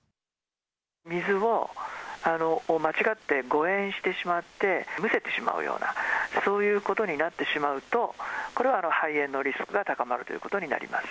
水を間違って誤えんしてしまって、むせてしまうような、そういうことになってしまうと、これは肺炎のリスクが高まるということになります。